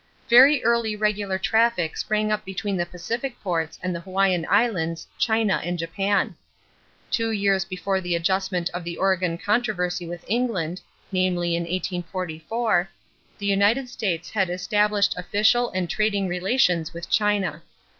Very early regular traffic sprang up between the Pacific ports and the Hawaiian Islands, China, and Japan. Two years before the adjustment of the Oregon controversy with England, namely in 1844, the United States had established official and trading relations with China.